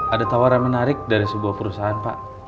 ada tawaran menarik dari sebuah perusahaan pak